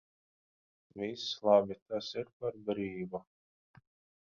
Viss labi, tas ir par brīvu.